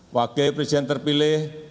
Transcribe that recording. wakil presiden terpilih